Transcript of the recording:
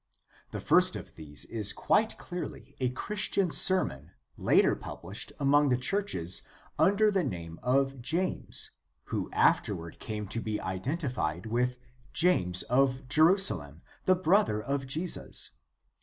The first of these is quite clearly a Christian sermon later published among the churches under the name of James, who afterward came to be identified with James of Jerusalem, the brother of Jesus.